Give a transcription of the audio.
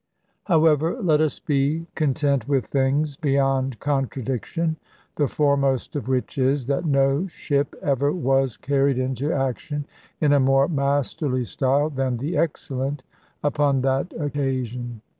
However, let us be content with things beyond contradiction; the foremost of which is, that no ship ever was carried into action in a more masterly style than the Excellent upon that occasion.